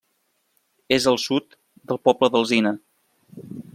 És al sud del poble d'Alzina.